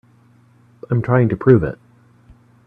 I'm trying to prove it.